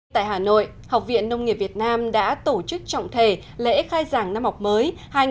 tại hà nội học viện nông nghiệp việt nam đã tổ chức trọng thể lễ khai giảng năm học mới hai nghìn một mươi chín hai nghìn hai mươi